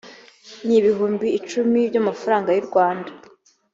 ni ibihumbi icumi by’amafaranga y’u rwanda